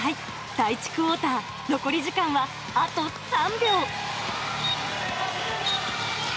第１クオーター、残り時間はあと３秒。